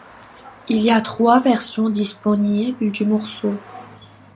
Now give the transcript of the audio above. Il y a trois versions disponibles du morceau.